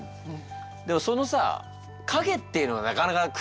でもそのさ影っていうのはなかなか玄人だよね。